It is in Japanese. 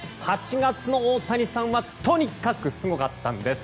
８月の大谷さんはとにかくすごかったんです。